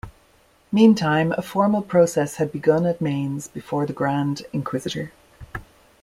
Meantime a formal process had begun at Mainz before the grand inquisitor.